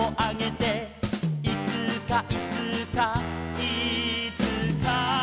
「いつかいつかいつか」